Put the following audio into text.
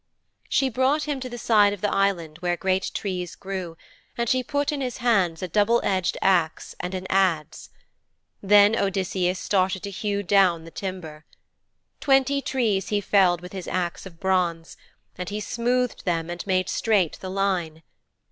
She brought him to the side of the Island where great trees grew and she put in his hands a double edged axe and an adze. Then Odysseus started to hew down the timber. Twenty trees he felled with his axe of bronze, and he smoothed them and made straight the line.